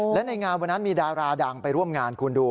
และในงานวันนั้นมีดาราดังไปร่วมงานคุณดู